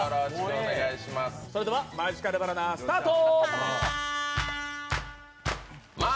それではマジカルバナナ、スタート！